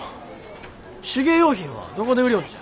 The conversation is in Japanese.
手芸用品はどこで売りよんじゃ。